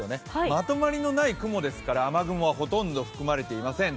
まとまりのない雲ですから、雨雲はほとんど含まれていません。